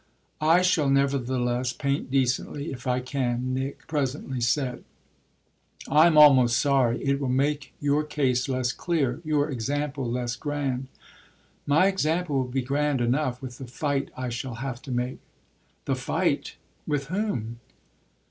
"I shall nevertheless paint decently if I can," Nick presently said. "I'm almost sorry! It will make your case less clear, your example less grand." "My example will be grand enough, with the fight I shall have to make." "The fight? With whom?"